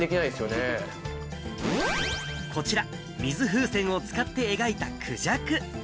こちら、水風船を使って描いたクジャク。